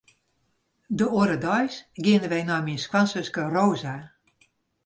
De oare deis geane wy nei myn skoansuske Rosa.